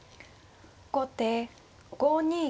後手５二玉。